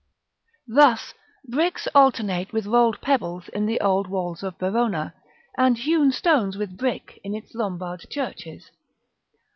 Thus, bricks alternate with rolled pebbles in the old walls of Verona, and hewn stones with brick in its Lombard churches.